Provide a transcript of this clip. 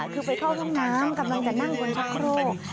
คือไปเข้าน้ำกำลังจะนั่งบนพักโครก